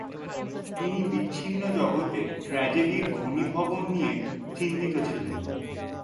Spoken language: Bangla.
তিনি বিচ্ছিন্ন জগতে ট্র্যাজেডির ঘনীভবন নিয়ে চিন্তিত ছিলেন।